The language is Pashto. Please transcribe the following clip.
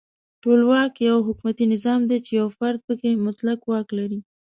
ټولواک یو حکومتي نظام دی چې یو فرد پکې مطلق واک لري.